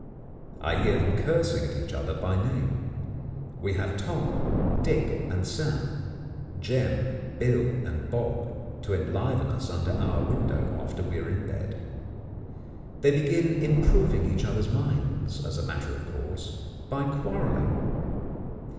I hear them cursing at each other by name. We have Tom, Dick, and Sam, Jem, Bill, and Bob, to enliven us under our window after we are in bed. They begin improving each other's minds, as a matter of course, by quarrelling.